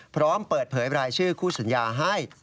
พร้อมเปิดเผยรายชื่อคู่สัญญาให้